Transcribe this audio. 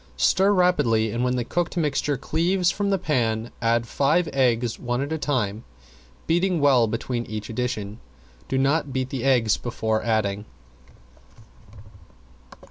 Stir rapidly and when the cooked mixture cleaves from the pan add five eggs one at a time, beating well between each addition. Do not beat the eggs before adding.